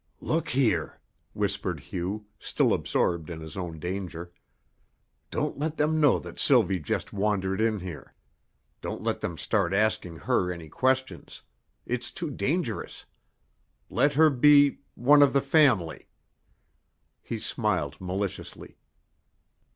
"Look here," whispered Hugh, still absorbed in his own danger, "don't let them know that Sylvie just wandered in here. Don't let them start asking her any questions; it's too dangerous. Let her be one of the family." He smiled maliciously.